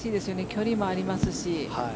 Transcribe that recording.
距離もありますし。